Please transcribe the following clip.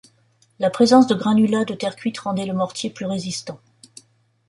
La présence de granulat de terre cuite rendait le mortier plus résistant.